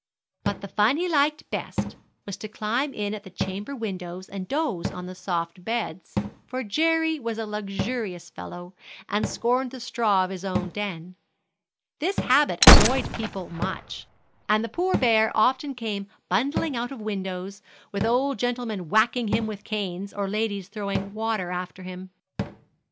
But the fun he liked best was to climb in at the chamber windows and doze on the soft beds; for Jerry was a luxurious fellow and scorned the straw of his own den. This habit annoyed people much, and the poor bear often came bundling out of windows, with old gentlemen whacking him with canes, or ladies throwing water after him.